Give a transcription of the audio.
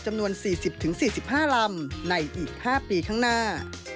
จำนวน๔๐๔๕ลำในอีก๕ปีข้างหน้า